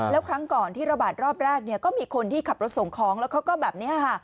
แล้วครั้งก่อนที่ระบาดรอบแรกก็มีคนที่ขับรถส่งของแล้วเขาก็แบบนี้ค่ะ